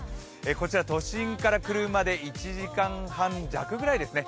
こちら都心から車で１時間半弱くらいですね。